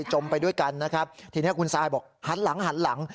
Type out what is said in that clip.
มไปด้วยกันนะครับทีนี้คุณซายบอกหันหลังหันหลัง